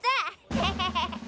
ヘヘヘヘ。